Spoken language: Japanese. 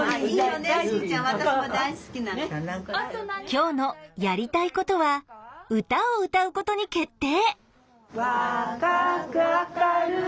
今日の“やりたいこと”は歌を歌うことに決定。